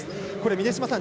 峰島さん